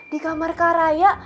di kamar kak raya